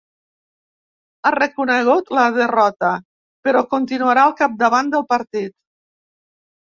Ha reconegut la derrota, però continuarà al capdavant del partit.